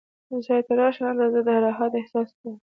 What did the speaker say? ځای ته راشه، هلته زه د راحت احساس کوم.